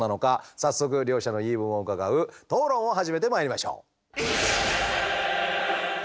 早速両者の言い分を伺う討論を始めてまいりましょう！